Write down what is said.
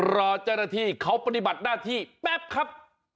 รอเจ้าหน้าที่เขาปฏิบัติหน้าที่แป๊บครับ